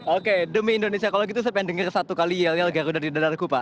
oke demi indonesia kalau gitu saya pengen denger satu kali yel yel garuda di dadarku pak